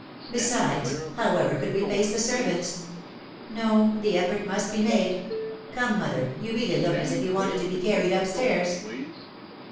Besides, however could we face the servants ? No, the effort must be made. Come, mother, you really look as if you wanted to be carried upstairs."